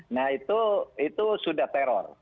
nah itu sudah teror